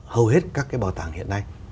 hầu hết các cái bảo tàng hiện nay